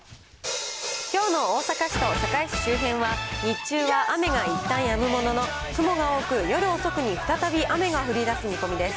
きょうの大阪市と堺市周辺は日中は雨がいったん止むものの、雲が多く、夜遅くに再び雨が降りだす見込みです。